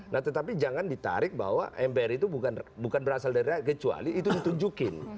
nah tetapi jangan ditarik bahwa mpr itu bukan berasal dari rakyat kecuali itu ditunjukin